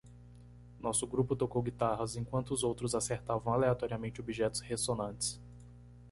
Nosso grupo tocou guitarras enquanto os outros acertavam aleatoriamente objetos ressonantes.